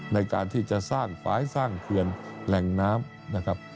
ในการที่จะสร้างฝ่ายสร้างเขื่อนแหล่งน้ำนะครับ